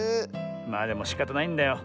まあでもしかたないんだよ。